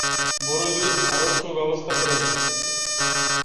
বুড়ো লুইস আরও সুব্যবস্থা করে দিচ্ছে।